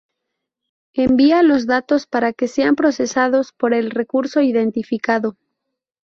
Envía los datos para que sean procesados por el recurso identificado.